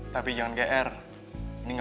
tapi lo jemput gue ya